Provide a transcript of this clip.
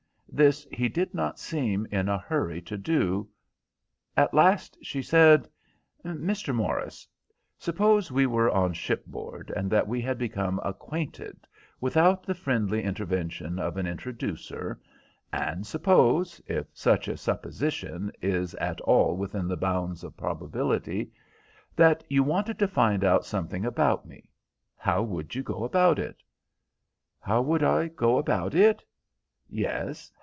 This he did not seem in a hurry to do. At last she said— "Mr. Morris, suppose we were on shipboard and that we had become acquainted without the friendly intervention of an introducer, and suppose, if such a supposition is at all within the bounds of probability, that you wanted to find out something about me, how would you go about it?" "How would I go about it?" "Yes.